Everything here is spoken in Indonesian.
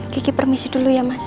gigi permisi dulu ya mas